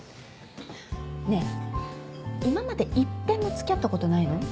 ねえ今まで一遍もつきあったことないの？